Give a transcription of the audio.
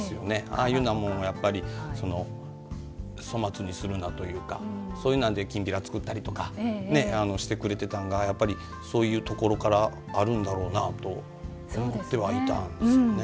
ああいうのは粗末にするなというかそういうのできんぴら作ったりとかしてくれてたのがやっぱり、そういうところからあるんだろうなと思ってはいたんですよね。